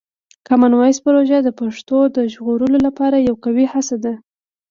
کامن وایس پروژه د پښتو د ژغورلو لپاره یوه قوي هڅه ده.